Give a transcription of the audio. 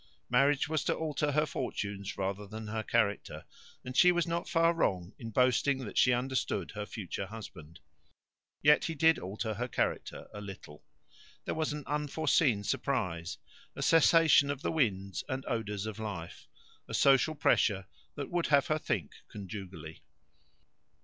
Marriage was to alter her fortunes rather than her character, and she was not far wrong in boasting that she understood her future husband. Yet he did alter her character a little. There was an unforeseen surprise, a cessation of the winds and odours of life, a social pressure that would have her think conjugally.